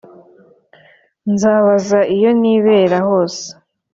nzambaza iyo nirebera hose